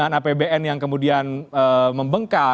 bagaimana penggunaan apbn yang kemudian membengkak